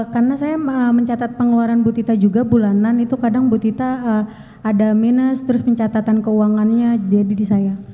karena saya mencatat pengeluaran ibu tita juga bulanan itu kadang ibu tita ada minus terus pencatatan keuangannya jadi di saya